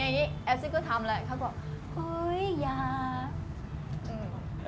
แอฟซี่ก็ทำเลยเขาก็ว่า